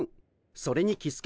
それにキスケ